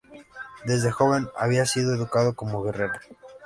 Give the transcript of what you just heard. Desde joven había sido educado como guerrero.